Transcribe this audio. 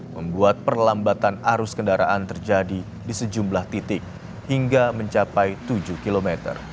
membuat perlambatan arus kendaraan terjadi di sejumlah titik hingga mencapai tujuh km